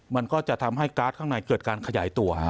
มันก็จะทำให้การ์ดข้างในเกิดการขยายตัว